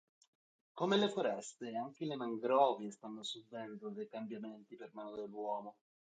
Come le foreste anche le mangrovie stanno subendo dei cambiamenti per mano dell'uomo.